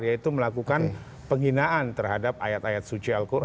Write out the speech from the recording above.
yaitu melakukan penghinaan terhadap ayat ayat suci al quran